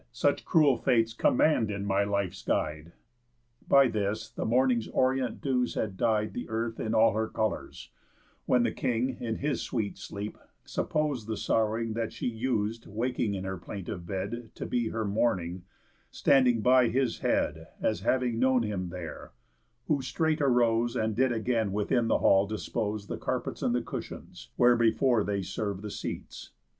Such cruel fates command in my life's guide." By this the morning's orient dews had dyed The earth in all her colours; when the King, In his sweet sleep, suppos'd the sorrowing That she us'd waking in her plaintive bed To be her mourning, standing by his head, As having known him there; who straight arose, And did again within the hall dispose The carpets and the cushions, where before They serv'd the seats.